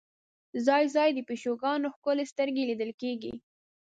ځای ځای د پیشوګانو ښکلې سترګې لیدل کېږي.